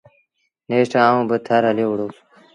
نيٺ آئوٚݩ با ٿر هليو وُهڙس۔